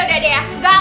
gak usah banyak banyak